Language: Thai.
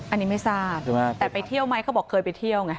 อันนี้ไม่ทราบใช่ไหมแต่ไปเที่ยวไหมเขาบอกเคยไปเที่ยวไง